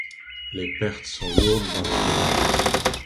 Les pertes sont lourdes dans les deux camps.